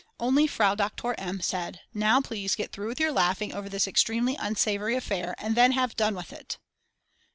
Only Frau Doktor M. said: "Now please get through with your laughing over this extremely unsavoury affair, and then have done with it."